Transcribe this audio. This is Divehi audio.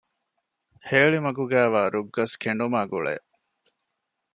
ހޭޅިމަގުގައިވާ ރުއްގަސް ކެނޑުމާއި ގުޅޭ